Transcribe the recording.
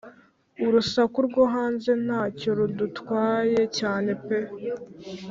Urusaku rwo hanze ntacyo rudutwaye cyane pe